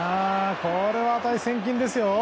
これは値千金ですよ。